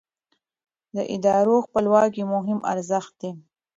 د ادارو خپلواکي مهم ارزښت دی